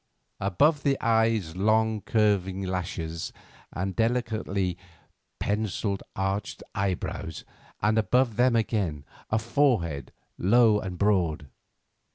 Above the eyes long curving lashes and delicately pencilled, arched eyebrows, and above them again a forehead low and broad.